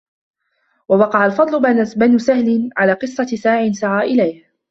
وَوَقَعَ الْفَضْلُ بْنُ سَهْلٍ عَلَى قِصَّةِ سَاعٍ سَعَى إلَيْهِ